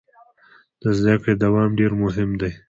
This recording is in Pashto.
د زده کړې دوام ډیر مهم دی.